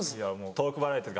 トークバラエティー